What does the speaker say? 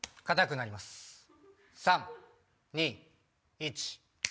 ３・２・１！